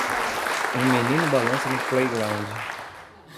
Um menino balança no playground.